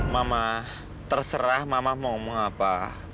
mama terserah mama mau ngomong apa